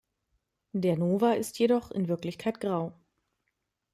Der Nova ist jedoch in Wirklichkeit grau.